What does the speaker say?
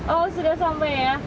oh sudah sampai ya